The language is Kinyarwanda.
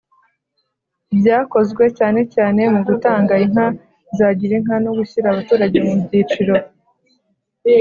ibyakozwe cyane cyane mu gutanga inka za Girinka no gushyira abaturage mu byiciro